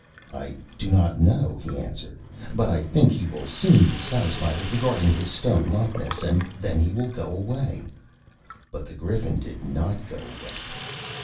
"I do not know," he answered, "but I think he will soon be satisfied with regarding his stone likeness, and then he will go away." But the Griffin did not go away.